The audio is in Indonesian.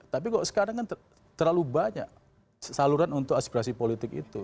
tapi kok sekarang kan terlalu banyak saluran untuk aspirasi politik itu